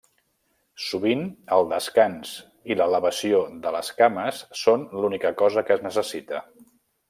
Sovint, el descans i l'elevació de les cames són l'única cosa que es necessita.